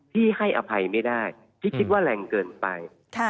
ที่ให้อภัยไม่ได้พี่คิดว่าแรงเกินไป